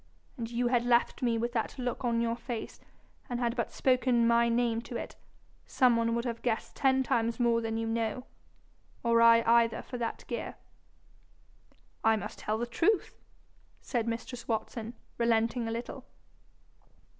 An' you had left me with that look on your face, and had but spoken my name to it, some one would have guessed ten times more than you know or I either for that gear.' 'I must tell the truth,' said mistress Watson, relenting a little.